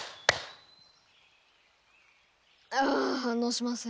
あぁっ反応しません。